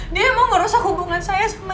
dia mau merosak hubungan saya sama nino